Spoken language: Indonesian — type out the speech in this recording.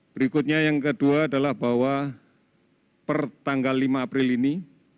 berikutnya yang kedua adalah bahwa per tanggal lima april ini